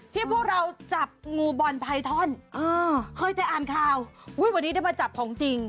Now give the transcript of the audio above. พวกเราจับงูบอลไพทอนเคยจะอ่านข่าวอุ้ยวันนี้ได้มาจับของจริง